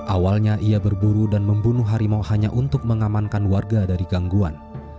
awalnya ia berburu dan membunuh harimau hanya untuk mengamankan warga dari gangguan